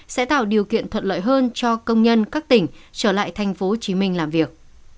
sẽ tạo điều kiện thuận lợi hơn cho công nhân các tỉnh trở lại tp hcm làm việc